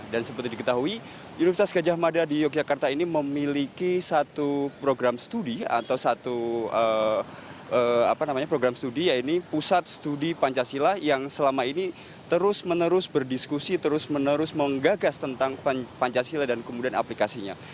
dan seperti diketahui universitas gajah mada di yogyakarta ini memiliki satu program studi atau satu program studi yaitu pusat studi pancasila yang selama ini terus menerus berdiskusi terus menerus menggagas tentang pancasila dan kemudian aplikasinya